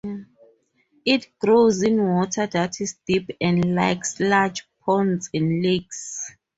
It grows in water that is deep and likes large ponds and lakes.